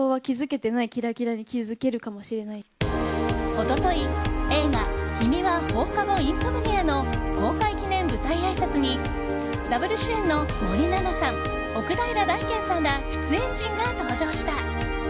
一昨日、映画「君は放課後インソムニア」の公開記念舞台あいさつにダブル主演の森七菜さん奥平大兼さんら出演陣が登場した。